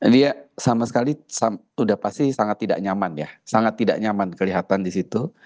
dia sama sekali sudah pasti sangat tidak nyaman ya sangat tidak nyaman kelihatan di situ